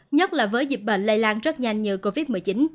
nhất là với dịch bệnh lây lan rất nhanh như covid một mươi chín